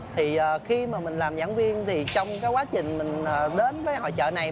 thì khi mà mình làm giảng viên thì trong quá trình mình đến với hội chợ này